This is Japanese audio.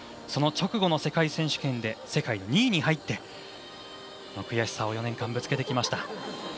その直後の世界選手権で世界２位に入って悔しさを４年間ぶつけてきました。